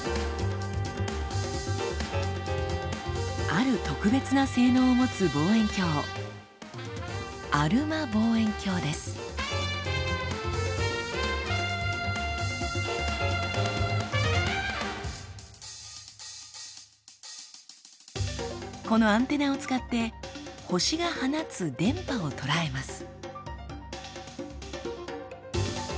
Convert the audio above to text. ある特別な性能を持つ望遠鏡このアンテナを使って星が放つ電波を捉えます。